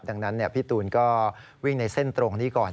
ดังนั้นพี่ตูนก็วิ่งในเส้นตรงนี้ก่อน